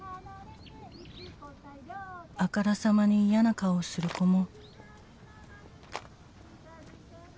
「あからさまに嫌な顔する子も」